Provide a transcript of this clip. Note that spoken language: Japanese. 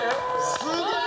すげえ！